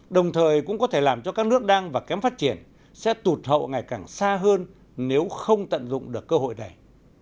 đồng thời cũng có thể làm cho các nước đang và kém phát triển sẽ tụt hậu ngày càng xa hơn nếu không tận dụng được cơ hội này